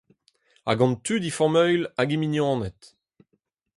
Ha gant tud he familh hag he mignoned !